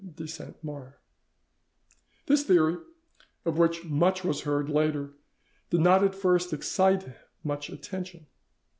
de Saint Mars. This theory, of which much was heard later, did not at first excite much attention.